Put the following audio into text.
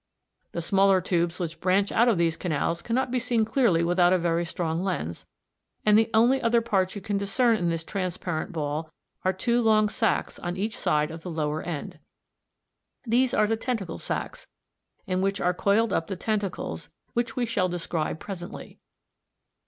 The smaller tubes which branch out of these canals cannot be seen clearly without a very strong lens, and the only other parts you can discern in this transparent ball are two long sacs on each side of the lower end. These are the tentacle sacs, in which are coiled up the tentacles, which we shall describe presently.